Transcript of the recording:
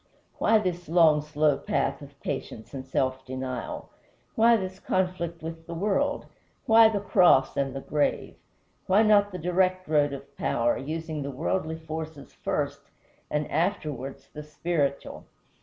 Why this long, slow path of patience and self denial? Why this conflict with the world? Why the cross and the grave? Why not the direct road of power, using the worldly forces first, and afterwards the spiritual?"